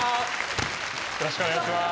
よろしくお願いします